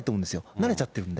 慣れちゃってるんで。